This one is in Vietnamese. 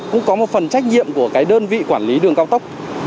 cũng có một phần trách nhiệm của cái đơn vị quản lý đường cao tốc